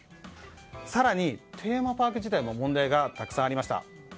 更に、テーマパーク自体も問題がたくさんありました。